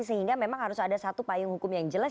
sehingga memang harus ada satu payung hukum yang jelas